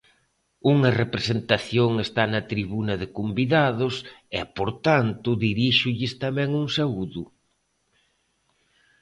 Unha representación está na tribuna de convidados e, por tanto, diríxolles tamén un saúdo.